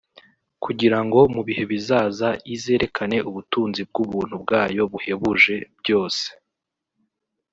kugira ngo mu bihe bizaza izerekane ubutunzi bw’ubuntu bwayo buhebuje byose